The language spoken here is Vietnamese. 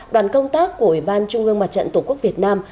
đoàn công tác của ủy ban trung ương mặt trận tổ quốc việt nam